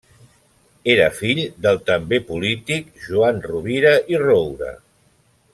Era fill del també polític Joan Rovira i Roure.